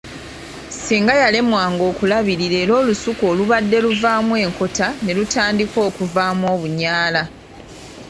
Singa yalemwanga okululabirira era olusuku olubadde luvaamu enkota ne lutandika okuvaamu obunyaala.